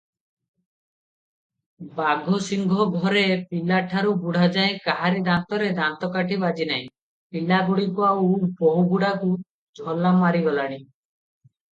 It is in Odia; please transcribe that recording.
ବାଘସିଂହ ଘରେ ପିଲାଠାରୁ ବୁଢ଼ାଯାଏ କାହାରି ଦାନ୍ତରେ ଦାନ୍ତକାଠି ବାଜିନାହିଁ ; ପିଲାଗୁଡ଼ିଙ୍କୁ ଆଉ ବୋହୂଗୁଡ଼ାଙ୍କୁ ଝୋଲା ମାରିଗଲାଣି ।